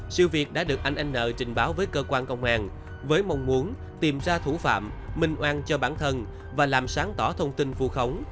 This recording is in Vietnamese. siêu việt đã được anh anh nợ trình báo với cơ quan công hàng với mong muốn tìm ra thủ phạm minh oan cho bản thân và làm sáng tỏ thông tin vu khống